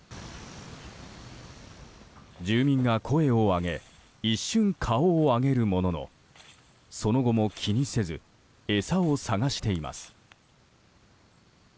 住民が声を上げ一瞬顔を上げるもののその後も気にせず餌を探しています。